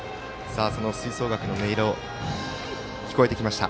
吹奏楽の音色、聞こえてきました。